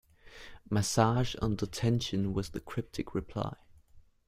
Massage under tension, was the cryptic reply.